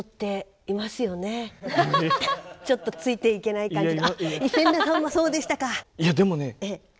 ちょっとついていけない感じが。